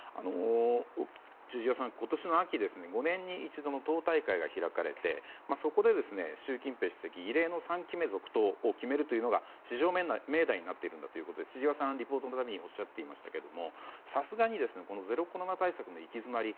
千々岩さん、今年の秋５年に一度の党大会が開かれてそこで、習近平主席異例の３期目続投を決めるというのが、至上命題になっているということで千々岩さんはリポートのたびにおっしゃっていましたがさすがにゼロコロナ対策の行き詰まり